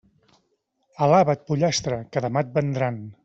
Alaba't pollastre, que demà et vendran.